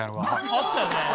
あったよね。